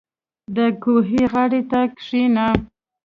• د کوهي غاړې ته کښېنه.